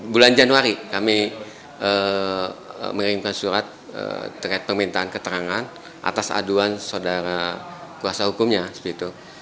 bulan januari kami mengirimkan surat terkait permintaan keterangan atas aduan saudara kuasa hukumnya seperti itu